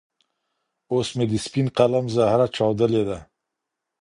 اوس مي د سپين قلم زهره چاودلې